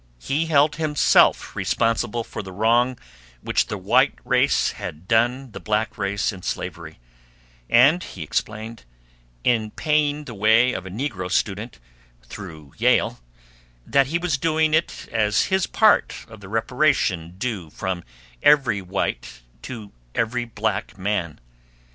He held himself responsible for the wrong which the white race had done the black race in slavery, and he explained, in paying the way of a negro student through Yale, that he was doing it as his part of the reparation due from every white to every black man.